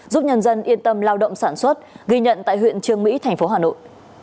giúp nhân dân yên tâm lao động sản xuất ghi nhận tại huyện trương mỹ thành phố hà nội